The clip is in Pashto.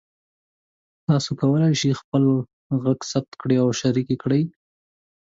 تاسو کولی شئ خپل غږ ثبت کړئ او شریک کړئ.